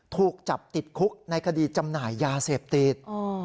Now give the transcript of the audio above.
ถูกจับติดคุกในคดีจำหน่ายยาเสพติด